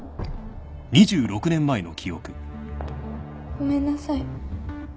ごめんなさい